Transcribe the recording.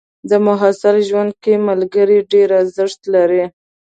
د محصل ژوند کې ملګري ډېر ارزښت لري.